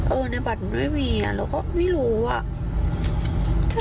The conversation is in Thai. เออในบัตรมันไม่มีแล้วก็ไม่รู้ว่า